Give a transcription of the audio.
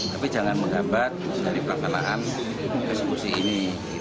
tapi jangan mendapat dari perkenaan eksekusi ini